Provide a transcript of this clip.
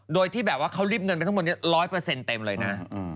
โดยที่แบบว่าเขารีบเงินไปทั้งหมดนี้๑๐๐เต็มเลยนะ